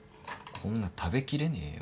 こんな食べきれねえよ。